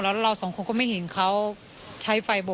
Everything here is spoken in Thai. ส่วนรถที่นายสอนชัยขับอยู่ระหว่างการรอให้ตำรวจสอบ